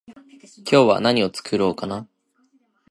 今日は何を作ろうかな？